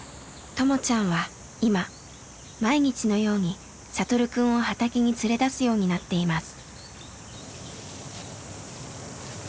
ともちゃんは今毎日のように聖くんを畑に連れ出すようになっています。